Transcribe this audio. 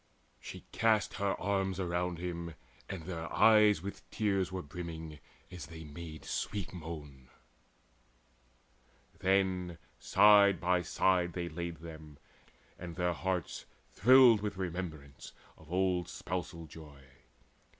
She cast her arms around him, and their eyes With tears were brimming as they made sweet moan; And side by side they laid them, and their hearts Thrilled with remembrance of old spousal joy.